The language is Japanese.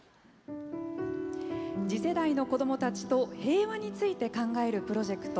次世代の子どもたちと平和について考えるプロジェクト。